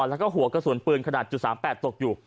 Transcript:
แล้วก็หัวกระสุนปืนขนาด๓๘ตกอยู่